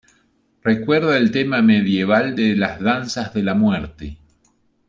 Recuerda el tema medieval de las danzas de la muerte.